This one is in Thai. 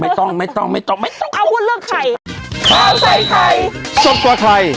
ไม่ต้องไม่ต้องไม่ต้องไม่ต้องเอาว่าเลือกใครข้าวใส่ไทยสดกว่าไทย